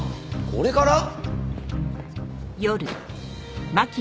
これから？